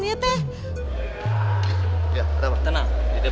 ya papi kenapa